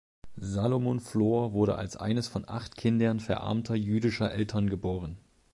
Salomon Flohr wurde als eines von acht Kindern verarmter jüdischer Eltern geboren.